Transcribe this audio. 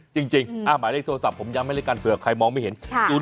จริงหมายเลขโทรศัพท์ผมย้ำให้เลขกันเผื่อใครมองไม่เห็น